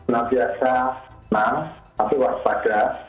yang biasa nam tapi waspada